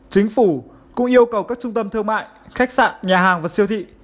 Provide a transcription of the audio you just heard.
chính phủ cũng yêu cầu các trung tâm thương mại khách sạn nhà hàng và siêu thị